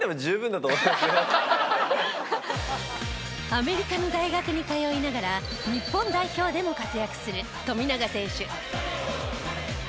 アメリカの大学に通いながら日本代表でも活躍する富永選手。